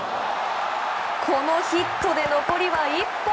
このヒットで残りは１本！